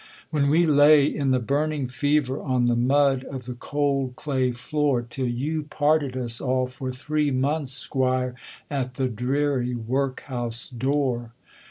'When we lay in the burning fever On the mud of the cold clay floor, Till you parted us all for three months, squire, At the dreary workhouse door.